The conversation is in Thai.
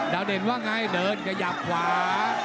เด่นว่าไงเดินขยับขวา